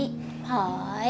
はい。